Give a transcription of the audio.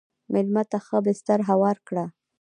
مېلمه ته ښه بستر هوار کړه.